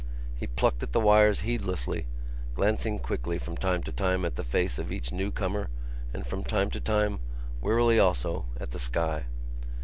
He plucked at the wires heedlessly, glancing quickly from time to time at the face of each new comer and from time to time, wearily also, at the sky.